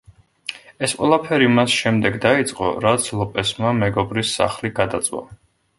ეს ყველაფერი მას შემდეგ დაიწყო, რაც ლოპესმა მეგობრის სახლი გადაწვა.